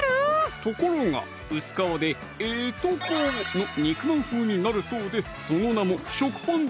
ところが薄皮でええとこの肉まん風になるそうでその名も「食パンで！